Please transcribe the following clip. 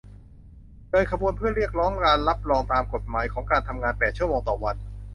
เดินขบวนเพื่อเรียกร้องการรับรองตามกฎหมายของการทำงานแปดชั่วโมงต่อวัน